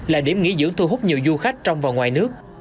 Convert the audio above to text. là điểm nghỉ dưỡng thu hút nhiều du khách trong và ngoài nước